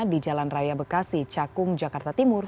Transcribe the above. di jalan raya bekasi cakung jakarta timur